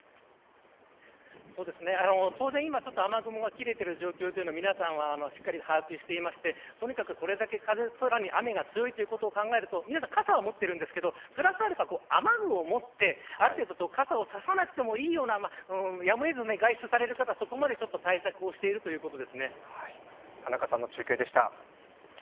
当然今、雨雲が切れている状況というのは皆さんしっかり把握していてこれだけ風、雨が強いことを考えると皆さん傘を持ってますがプラスアルファ雨具を持ってある程度傘を差さなくてもいいようなやむを得ず外出される方はそこまで対策をしているということです。